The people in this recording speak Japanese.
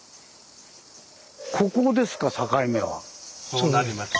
そうなります。